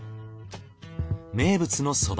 名物のそば